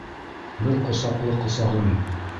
Бер ҡосаҡлы ҡосағым.